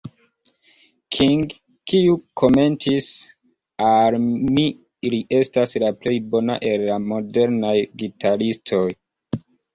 King, kiu komentis, "al mi li estas la plej bona el la modernaj gitaristoj.